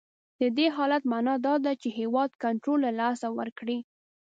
د دې حالت معنا دا ده چې هیواد کنټرول له لاسه ورکړی.